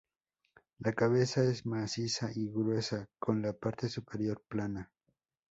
La cabeza es maciza y gruesa, con la parte superior plana.